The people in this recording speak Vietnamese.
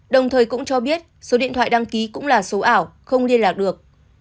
đồng thời cũng cho biết số điện thoại đăng ký cũng là số ảo không liên lạc được